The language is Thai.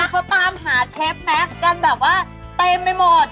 เขาตามหาเชฟแม็กซ์กันแบบว่าเต็มไปหมด